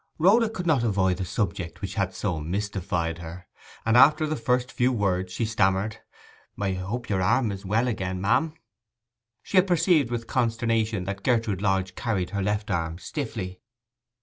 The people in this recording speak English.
Rhoda could not avoid the subject which had so mystified her, and after the first few words she stammered, 'I hope your—arm is well again, ma'am?' She had perceived with consternation that Gertrude Lodge carried her left arm stiffly.